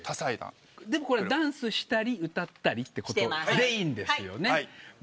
でもダンスしたり歌ったりってことでいいんですよね？